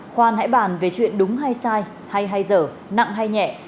khoan hãy bàn về chuyện đúng hay sai hay hay dở nặng hay nhẹ